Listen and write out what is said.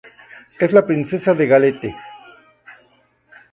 Es la princesa de Galette.